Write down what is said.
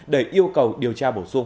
để yêu cầu điều tra bổ sung